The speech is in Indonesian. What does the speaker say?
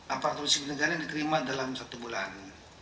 aparturisi penegangan yang diterima dalam satu bulan